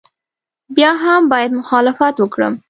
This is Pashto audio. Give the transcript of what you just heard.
بیا هم باید مخالفت وکړم.